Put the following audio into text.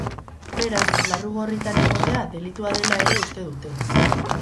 Beraz, larru gorritan egotea delitua dela ere uste dute!